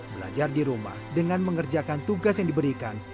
belajar di rumah dengan mengerjakan tugas yang diberikan